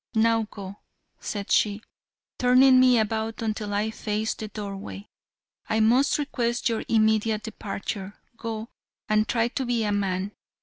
Now go," said she, turning me about until I faced the doorway, "I must request your immediate departure. Go, and try to be a man.